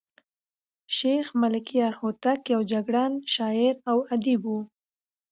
شېخ ملکیار هوتک یو جګړن شاعر او ادیب وو.